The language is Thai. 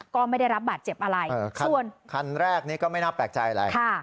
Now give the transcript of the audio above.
ก็ไม่ได้รับบาดเจ็บอะไรส่วนคันแรกนี้ก็ไม่น่าแปลกใจอะไร